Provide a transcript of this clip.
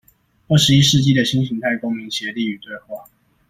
二十一世紀的新型態公民協力與對話